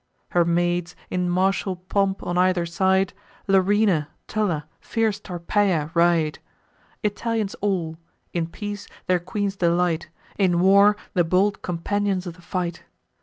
Her maids, in martial pomp, on either side, Larina, Tulla, fierce Tarpeia, ride: Italians all; in peace, their queen's delight; In war, the bold companions of the fight.